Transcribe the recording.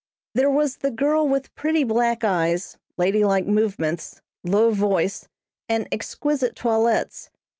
There was the girl with pretty black eyes, lady like movements, low voice, and exquisite toilettes.